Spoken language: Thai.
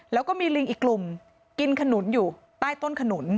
แล้วก็มีลิงอีกกลุ่มกินขนุนอยู่ใต้ต้นขนุน